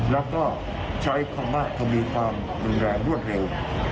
แล้วก็ใช้ความว่าจะมีความดึงแรงรวดเร็ว